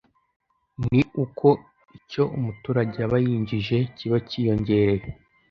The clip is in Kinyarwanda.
ni uko icyo umuturage aba yinjije kiba kiyongereye.